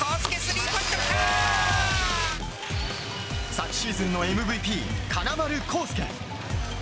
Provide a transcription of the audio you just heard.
昨シーズンのＭＶＰ金丸晃輔。